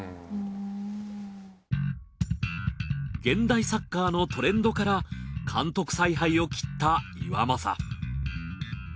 現代サッカーのトレンドから監督采配を切った岩政。